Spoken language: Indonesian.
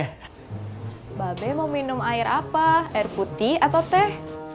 mbak bei mau minum air apa air putih atau teh